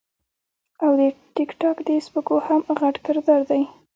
او د ټک ټاک د سپکو هم غټ کردار دے -